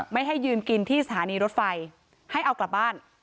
ไม่ให้ยืนกินที่สถานีรถไฟให้เอากลับบ้าน